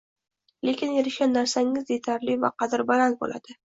Lekin erishgan narsangiz yetarli va qadri baland boʻladi.